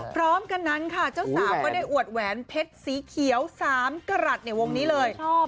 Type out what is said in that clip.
พร้อมกันนั้นค่ะเจ้าสาวก็ได้อวดแหวนเพชรสีเขียว๓กรัฐในวงนี้เลย